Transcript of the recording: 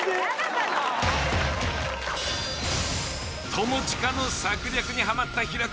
友近の策略にはまった平子。